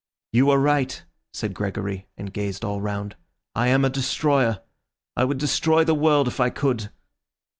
'" "You are right," said Gregory, and gazed all round. "I am a destroyer. I would destroy the world if I could."